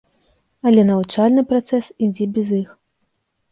Але навучальны працэс ідзе без іх.